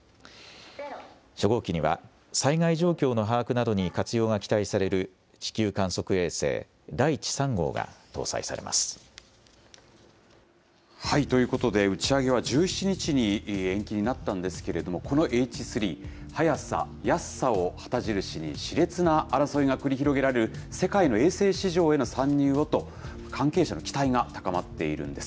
初号機には、災害状況の把握などに活用が期待される地球観測衛星、だいち３号ということで、打ち上げは１７日に延期になったんですけれども、このＨ３、早さ、安さを旗印にしれつな争いが繰り広げられる、世界の衛星市場への参入をと関係者の期待が高まっているんです。